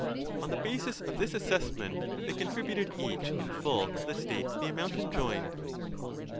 On the basis of this assessment they contributed each in full to the state the amount enjoined.